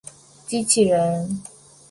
机器人。